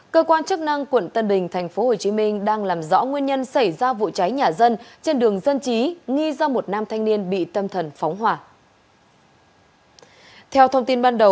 cơ quan chức năng quận tân bình tp hcm đang làm rõ nguyên nhân xảy ra vụ cháy nhà dân trên đường dân chí nghi do một nam thanh niên bị tâm thần phóng hỏa